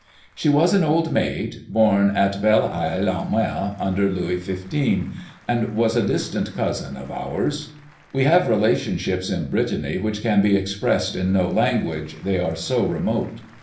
She was an old maid, born at Belle Isle en Mer under Louis XV., and was a distant cousin of ours. We have relationships in Brittany which can be expressed in no language, they are so remote.